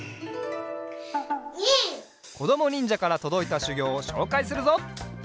こどもにんじゃからとどいたしゅぎょうをしょうかいするぞ！